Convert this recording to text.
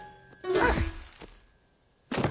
あっ！